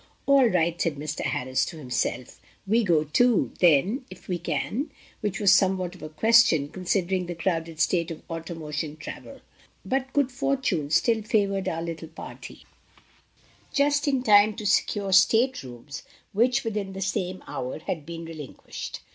"All right," said Mr. Harris to himself; "we go, too, then, if we can," which was somewhat of a question, considering the crowded state of autumn ocean travel. But good fortune still favored our little party, and Mr. Harris's telegram reached Liverpool just in time to secure state rooms which, within the same hour, had been relinquished.